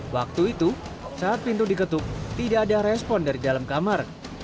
waktu itu saat pintu diketuk tidak ada respon dari dalam kamar